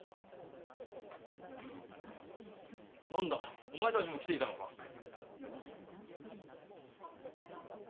何だお前たちも来ていたのか。